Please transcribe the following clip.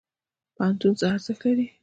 پوهنتون څه ارزښت لري؟